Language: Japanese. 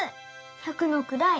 「百のくらい」